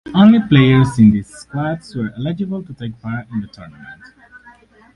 Only players in these squads were eligible to take part in the tournament.